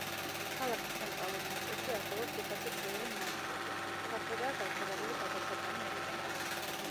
ქალაქის ცენტრალურ ნაწილში არსებობს უფასო წრიული მარშრუტი, ფართედაა გავრცელებული გადასატანი რესტორნები.